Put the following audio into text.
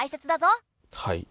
はい。